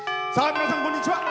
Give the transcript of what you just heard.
皆さん、こんにちは。